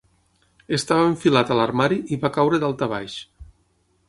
Estava enfilat a l'armari i va caure daltabaix.